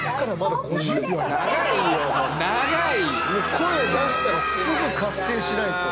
声出したらすぐカッセイしないと。